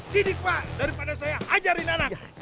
jadi pak daripada saya ajarin anak